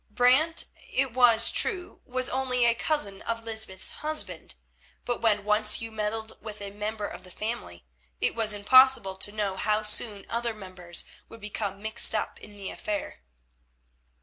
Brant, it was true, was only a cousin of Lysbeth's husband, but when once you meddled with a member of the family, it was impossible to know how soon other members would become mixed up in the affair.